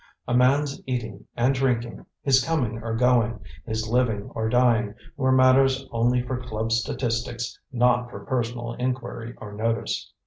A man's eating and drinking, his coming or going, his living or dying, were matters only for club statistics, not for personal inquiry or notice.